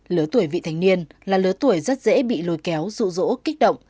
lớ tuổi vị thanh niên là lớ tuổi rất dễ bị lôi kéo rụ rỗ kích động